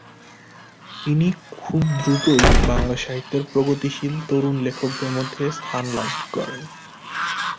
তিনি খুব দ্রুতই বাংলা সাহিত্যের প্রগতিশীল তরুণ লেখকদের মধ্যে স্থান লাভ করেন।